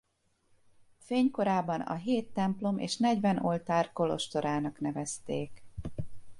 Fénykorában a hét templom és negyven oltár kolostorának nevezték.